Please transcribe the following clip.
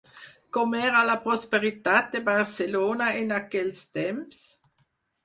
Com era la prosperitat de Barcelona en aquells temps?